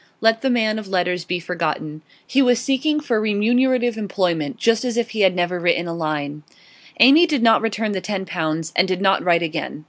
Let the man of letters be forgotten; he was seeking for remunerative employment, just as if he had never written a line. Amy did not return the ten pounds, and did not write again.